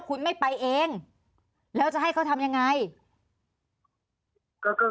คุณไม่ไปเองแล้วจะให้เขาทำยังไง